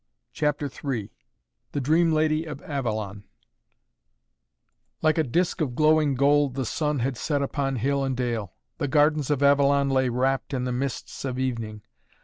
CHAPTER III THE DREAM LADY OF AVALON Like a disk of glowing gold the sun had set upon hill and dale. The gardens of Avalon lay wrapt in the mists of evening.